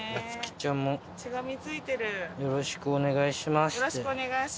「よろしくお願いします」って。